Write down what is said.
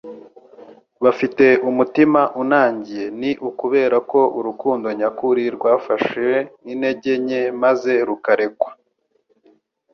bafite umutima unangiye ni ukubera ko urukundo nyakuri rwafashwe nk'intege nke maze rukarekwa.